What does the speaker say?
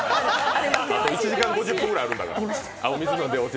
あと１時間５０分ぐらいあるんだから。